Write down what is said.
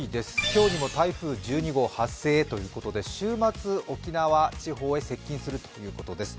今日にも台風１２号発生ということで週末、沖縄地方へ接近するということです。